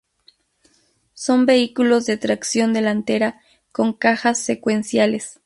Son vehículos de tracción delantera con cajas secuenciales.